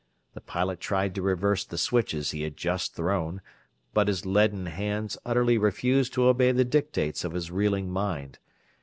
The pilot tried to reverse the switches he had just thrown, but his leaden hands utterly refused to obey the dictates of his reeling mind.